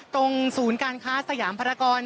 ตรงศูนย์การค้าสยามภารกร